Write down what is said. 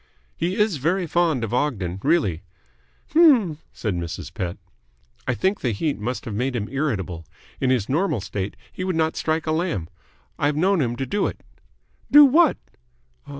"He is very fond of Ogden really." "H'm," said Mrs. Pett. "I think the heat must have made him irritable. In his normal state he would not strike a lamb. I've known him to do it." "Do what?"